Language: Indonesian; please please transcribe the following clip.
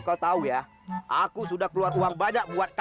sampai jumpa di video selanjutnya